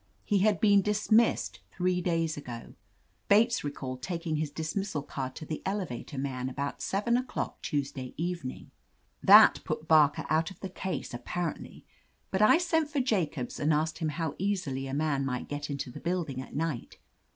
He had been dismissed three days ago. Bates recalled tak ing his dismissal card to the elevator man, about seven o'clock Tuesday evening. That put Barker out of the case, apparently, but I sent for Jacobs and asked him how easily a man could get into the building at night.